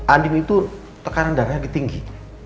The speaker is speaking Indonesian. anim itu tekanan darahnya lebih tinggi